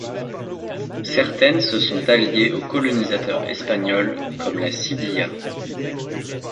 Certaines se sont alliées au colonisateur espagnol comme la Sidiya.